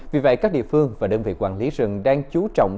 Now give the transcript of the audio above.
vì vậy các địa phương và đơn vị quản lý rừng đang chú trọng